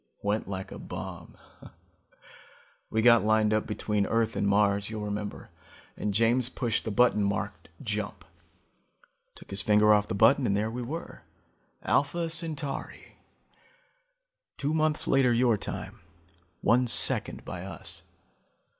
Went like a bomb. We got lined up between Earth and Mars, you'll remember, and James pushed the button marked 'Jump'. Took his finger off the button and there we were: Alpha Centauri. Two months later your time, one second later by us.